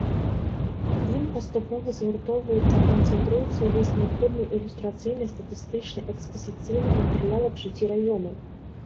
У ім паступова згуртоўваецца, канцэнтруецца ўвесь неабходны ілюстрацыйны, статыстычны, экспазіцыйны матэрыял аб жыцці раёну.